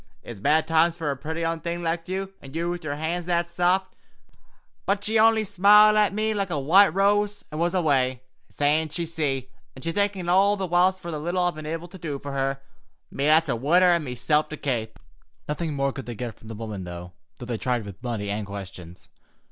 It's bad times fer a pretty un like you, an' you with yer hands that saft;' but she only smiled at me like a white rose, an' was away, sayin' she'd see, and she thankin' me all the whilst fer the little I'd been able to do fer her—me that's a widder an' meself to kape." Nothing more could they get from the good woman, though they tried both with money and questions.